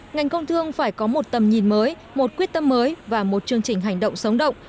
ngành công thương phải có một tầm nhìn mới một quyết tâm mới và một chương trình hành động sống động